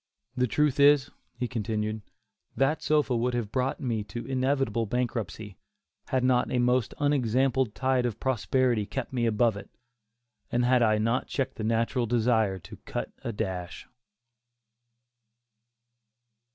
The truth is," he continued, "that sofa would have brought me to inevitable bankruptcy, had not a most unexampled tide of prosperity kept me above it, and had I not checked the natural desire to 'cut a dash.